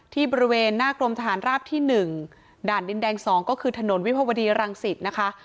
บริเวณหน้ากรมทหารราบที่๑ด่านดินแดง๒ก็คือถนนวิภาวดีรังสิตนะคะ